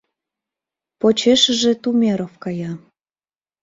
Почешыже Тумеров кая.